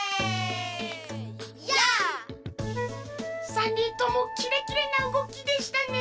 ３にんともキレキレなうごきでしたね。